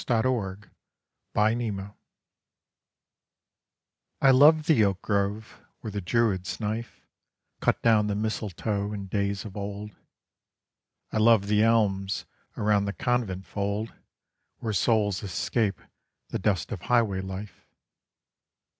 XIII TO THE FIRS I LOVE the oak grove where the Druid's knife Cut down the mistletoe in days of old; I love the elms around the convent fold Where souls escape the dust of highway life.